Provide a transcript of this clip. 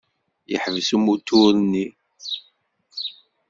Yeḥbes umutur-nni.